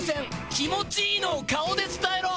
気持ちいいのを顔で伝えろ！